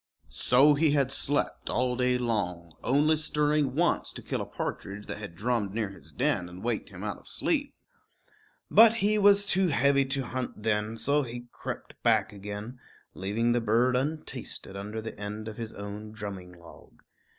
So he had slept all day long, only stirring once to kill a partridge that had drummed near his den and waked him out of sleep. But he was too heavy to hunt then, so he crept back again, leaving the bird untasted under the end of his own drumming log.